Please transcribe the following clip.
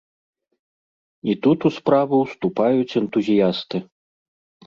І тут у справу ўступаюць энтузіясты.